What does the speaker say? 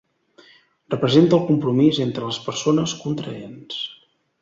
Representa el compromís entre les persones contraents.